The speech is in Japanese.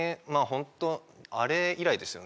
ホントあれ以来ですよね